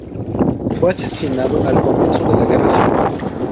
Fue asesinado al comienzo de la Guerra civil.